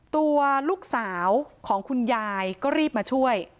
ตัวลูกสาวของคุณยายก็รีบมาช่วย